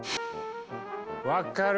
分っかる！